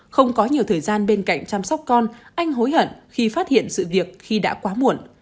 không có nhiều thời gian bên cạnh chăm sóc con anh hối hận khi phát hiện sự việc khi đã quá muộn